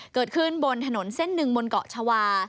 เกิดขึ้นบนถนนเส้นหนึ่งบนเกาะชาวา